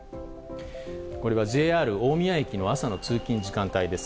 これはＪＲ大宮駅の朝の通勤時間帯です。